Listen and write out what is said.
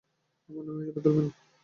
আমার নামের হিসাবে তুলবেন।